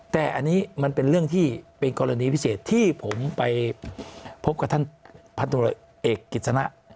แต่อันนี้มันเป็นเรื่องที่เป็นกรณีพิเศษที่ผมไปพบกับท่านพันธุรกิจเอกกิจสนะ